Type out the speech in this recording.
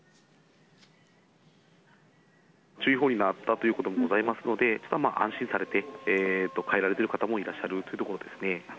注意報になったということもございますので、安心されて帰られている方もいらっしゃるということころですね。